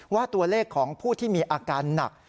ว่าตัวเลขของผู้ที่มีอาการหนัก